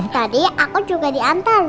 tadi aku juga diantar